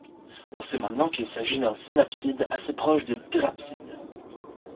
On sait maintenant qu'il s'agit d'un synapside assez proche des thérapsides.